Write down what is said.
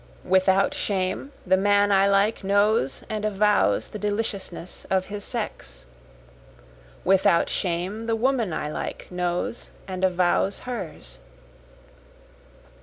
Without shame the man I like knows and avows the deliciousness of his sex, Without shame the woman I like knows and avows hers.